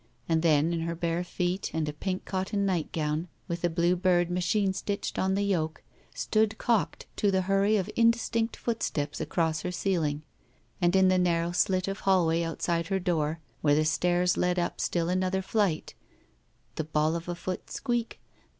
And then, in her bare feet and a pink cotton night gown with a blue bird xnachine stitched on the yoke, stood cocked to the hurry of indistinct foot steps across her ceiling, and in the narrow slit of hallway outside her door, where the stairs led up still another flight, the ball of a foot — squeak!